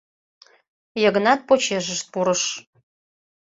Йыгнат почешышт пурыш.